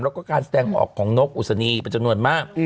แล้วก็การแต่งออกของนกอุษณีปัจจุนวันมาก